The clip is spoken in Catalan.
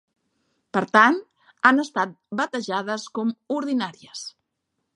Per tant, han estat batejades com "ordinàries".